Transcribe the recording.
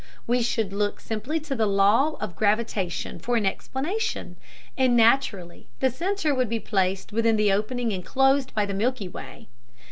We should look simply to the law of gravitation for an explanation, and, naturally, the center would be placed within the opening enclosed by the Milky Way.